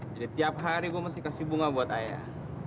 jadi tiap hari gua mesti kasih bunga buat ayah